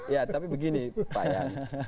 ya tapi begini pak ya